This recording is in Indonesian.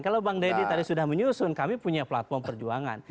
kalau bang deddy tadi sudah menyusun kami punya platform perjuangan